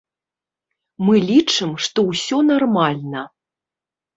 Мы лічым, што ўсё нармальна.